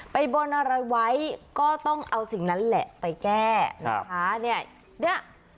ไปบนอะไรไว้ก็ต้องเอาสิ่งนั้นแหละไปแก้นะคะเนี่ย